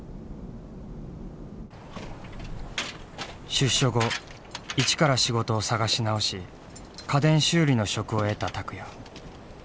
出所後一から仕事を探し直し家電修理の職を得た拓也。